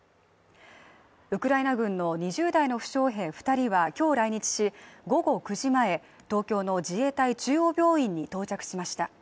ウクライナ軍の２０代の負傷兵２人は今日来日し午後９時前、東京の自衛隊中央病院に到着しました。